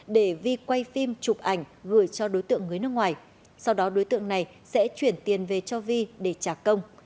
để vi quay phim chụp ảnh gửi cho đối tượng người nước ngoài sau đó đối tượng này sẽ chuyển tiền về cho vi để trả công